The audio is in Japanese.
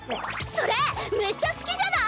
それめっちゃ好きじゃない⁉